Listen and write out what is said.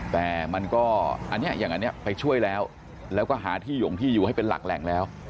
แต่มันก็อันนี้อย่างอันนี้ไปช่วยแล้วแล้วก็หาที่หย่งที่อยู่ให้เป็นหลักแหล่งแล้ว